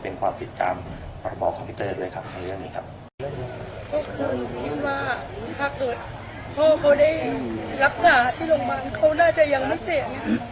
พวกคุณคิดว่าถ้าเกิดพ่อเขาได้รักษาที่โรงพยาบาลเขาน่าจะยังไม่เสีย